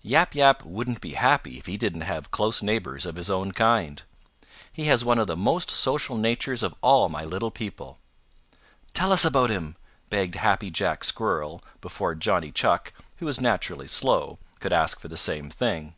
Yap Yap wouldn't be happy if he didn't have close neighbors of his own kind. He has one of the most social natures of all my little people." "Tell us about him," begged Happy Jack Squirrel before Johnny Chuck, who is naturally slow, could ask for the same thing.